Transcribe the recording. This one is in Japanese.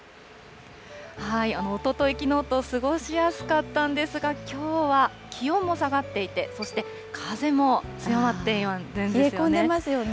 おととい、きのうと過ごしやすかったんですが、きょうは気温も下がっていて、そして風も強ま冷え込んでいますよね。